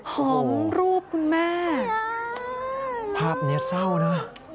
หอมรูปคุณแม่ภาพนี้เศร้านะ